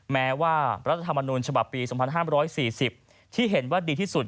แม้ว่ารัฐธรรมนูญฉบับปี๒๕๔๐ที่เห็นว่าดีที่สุด